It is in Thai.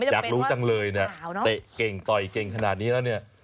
อยากรู้จังเลยเนี่ยเตะเก่งต่อยเก่งขนาดนี้แล้วเนี่ย